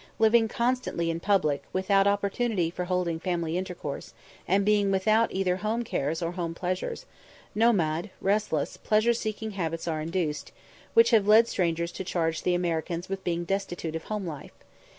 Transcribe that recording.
Living constantly in public, without opportunity for holding family intercourse, and being without either home cares or home pleasures, nomade, restless, pleasure seeking habits are induced, which have led strangers to charge the Americans with being destitute of home life.